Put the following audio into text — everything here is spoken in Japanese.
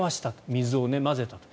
水を混ぜたと。